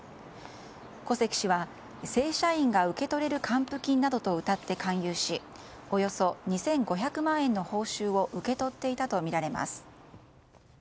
古関氏は正社員が受け取れる還付金などとうたって勧誘しおよそ２５００万円の報酬を受け取っていたとみられます。